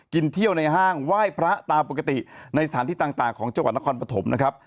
กินเที่ยวในห้างไหว้พระตามปกติในสถานที่ต่างของจังหวัดนครปฐมนะครับ